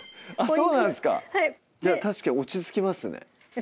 そうなんですかいや確かに落ち着きますね